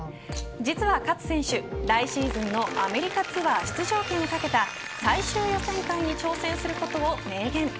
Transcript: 実は勝選手来シーズンのアメリカツアー出場権を懸けた最終予選会に挑戦することを明言。